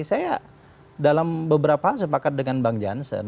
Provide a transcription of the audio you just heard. saya dalam beberapa hal sepakat dengan bang jansen